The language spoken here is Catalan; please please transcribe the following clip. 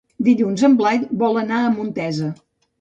Dilluns en Blai vol anar a Montesa.